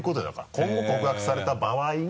今後告白された場合に。